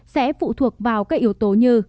sẽ phụ thuộc vào các yếu tố như